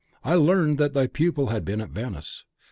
I learned that thy pupil had been at Venice.